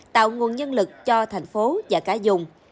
tạo nguồn nhân lực cho thành phố và cả dùng